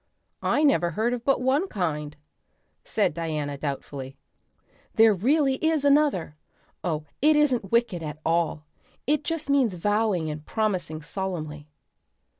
"I never heard of but one kind," said Diana doubtfully. "There really is another. Oh, it isn't wicked at all. It just means vowing and promising solemnly."